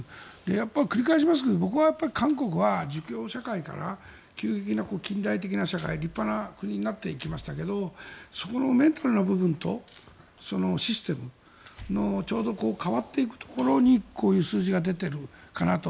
やっぱり繰り返しますけど僕は韓国は儒教社会から急激な近代的な社会立派な国になっていきましたけどそのメンタルな部分とシステムのちょうど変わっていくところにこういう数字が出ているかなと。